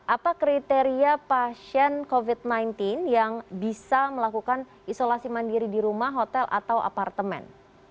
apa kriteria pasien covid sembilan belas yang bisa melakukan isolasi mandiri di rumah hotel atau apartemen